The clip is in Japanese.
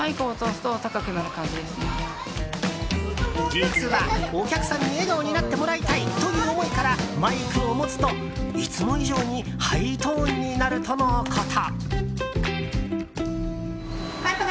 実は、お客さんに笑顔になってもらいたいという思いからマイクを持つと、いつも以上にハイトーンになるとのこと。